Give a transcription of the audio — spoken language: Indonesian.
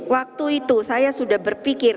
waktu itu saya sudah berpikir